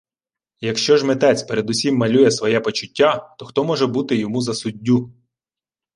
Якщо ж митець передусім малює своє почуття, то хто може бути йому за суддю?